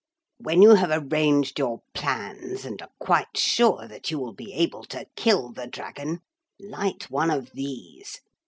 'When you have arranged your plans and are quite sure that you will be able to kill the dragon, light one of these.